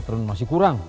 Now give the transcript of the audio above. empat ronde masih kurang